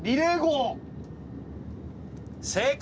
正解！